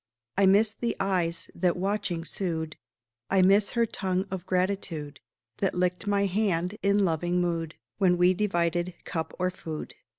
I miss the eyes that, watching, sued; I miss her tongue of gratitude That licked my hand, in loving mood, When we divided cup or food.